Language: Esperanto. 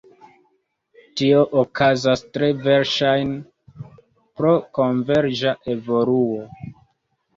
Tio okazas tre verŝajne pro konverĝa evoluo.